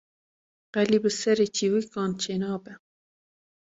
Qelî bi serê çîvikan çê nabe